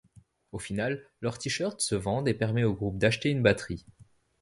Au final, leurs t-shirts se vendent et permet au groupe d'acheter une batterie.